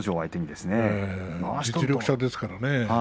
実力者ですからね。